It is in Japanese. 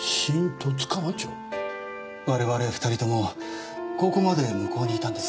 我々２人とも高校まで向こうにいたんです。